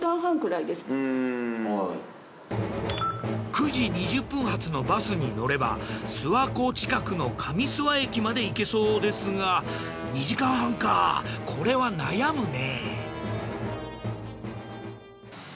９時２０分発のバスに乗れば諏訪湖近くの上諏訪駅まで行けそうですが２時間半かぁこれは悩むね。